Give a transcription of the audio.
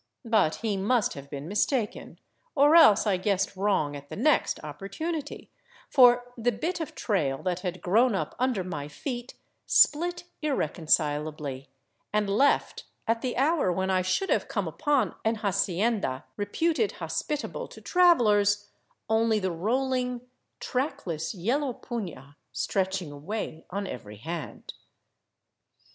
But he must have been mis taken, or else I guessed wrong at the next opportunity, for the bit of trail that had grown up under my feet split irreconcilably and left, at the hour when I should have come upon an hacienda reputed hospitable to travelers, only the rolHng, trackless, yellow puna stretching away on every hand.